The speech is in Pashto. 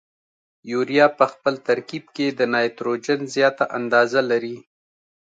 یوریا په خپل ترکیب کې د نایتروجن زیاته اندازه لري.